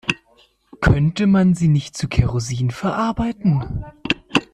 Könnte man sie nicht zu Kerosin verarbeiten?